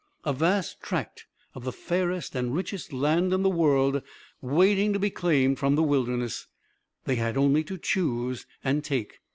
A vast tract of the fairest and richest land in the world waiting to be claimed from the wilderness. They had only to choose and take.